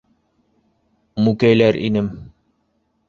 Мүкәйләр инем.